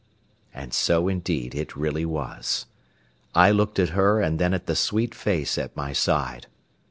And so, indeed, it really was. I looked at her and then at the sweet face at my side.